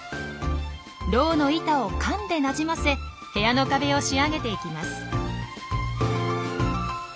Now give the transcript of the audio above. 蝋の板をかんでなじませ部屋の壁を仕上げていきます。